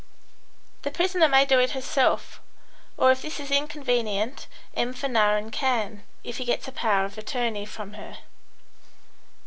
"The prisoner may do it herself, or if this is inconvenient, M. Fanarin can, if he gets a power of attorney from her."